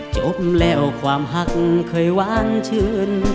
จบแล้วความหักเคยวางชื้น